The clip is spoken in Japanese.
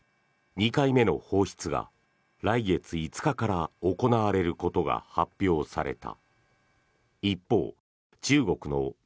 ２回目の放出が来月５日から行われることが発表された。